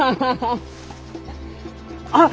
あっ！